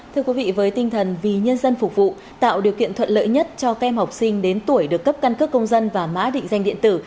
thưa quý vị với tinh thần vì nhân dân phục vụ tạo điều kiện thuận lợi nhất cho kem học sinh đến tuổi được cấp căn cước công dân và mã định danh điện tử